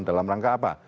dalam rangka apa